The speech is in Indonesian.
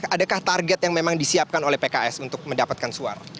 adakah target yang memang disiapkan oleh pks untuk mendapatkan suara